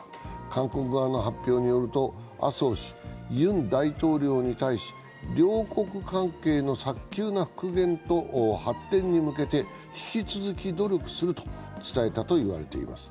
韓国側の発表によると麻生氏ユン大統領に対し両国関係の早急な復元と発展に向けて引き続き努力すると伝えたと言われています。